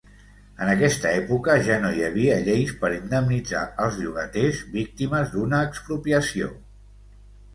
En aquesta època ja no hi havia lleis per indemnitzar els llogaters, víctimes d'una expropiació.